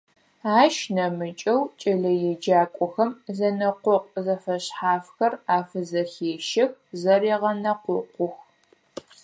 Ащ нэмыкӀэу кӀэлэеджакӀохэм зэнэкъокъу зэфэшъхьафхэр афызэхещэх, зэрегъэнэкъокъух.